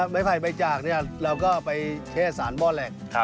ไม้ไผ่ใบจากเราก็ไปเช่สารมอดแหลก